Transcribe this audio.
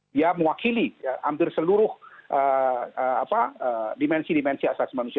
dia mewakili hampir seluruh dimensi dimensi asasi manusia